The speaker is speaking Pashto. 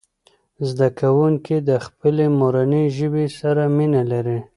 زده کوونکي د خپلې مورنۍ ژبې سره مینه لري.